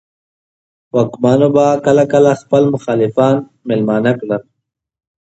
واکمنو به کله کله خپل مخالفان مېلمانه کړل.